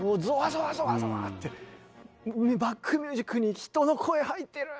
「バックミュージックに人の声入ってる！」っていう。